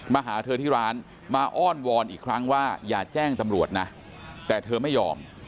มาหาเธอที่ร้านมาอ้อนวอนอีกครั้งว่าอย่าแจ้งตำรวจนะแต่เธอไม่ยอม